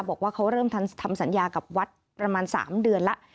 บอกว่าเขาเริ่มทำสัญญากับวัดประมาณ๓เดือนแล้ว